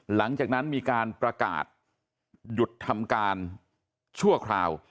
หลังจากนั้นมีการประกาศหยุดทำการชั่วคราว